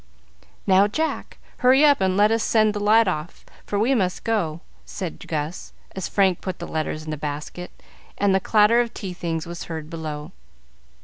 "Now, Jack, hurry up and let us send the lot off, for we must go," said Gus, as Frank put the letters in the basket, and the clatter of tea things was heard below.